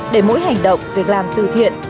để mỗi hành động việc làm từ thiện